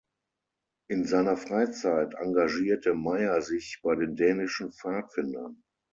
In seiner Freizeit engagierte Meyer sich bei den dänischen Pfadfindern.